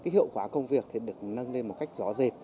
hiệu quả công việc được nâng lên một cách rõ rệt